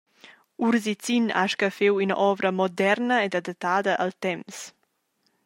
Ursicin ha scaffiu ina ovra moderna ed adattada al temps.